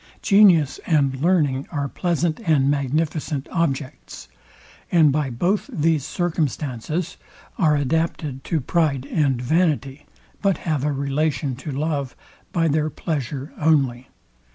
Genius and learning are pleasant and magnificent objects, and by both these circumstances are adapted to pride and vanity; but have a relation to love by their pleasure only.